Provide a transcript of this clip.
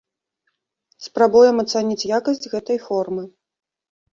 Спрабуем ацаніць якасць гэтай формы.